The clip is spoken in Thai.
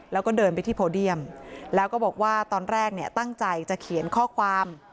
แล้วก็เดินไปที่โพเดียมแล้วก็บอกว่าตอนแรกเนี่ยตั้งใจจะเขียนข้อความ